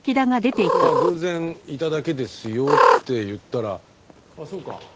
「偶然いただけですよ」って言ったら「そうか。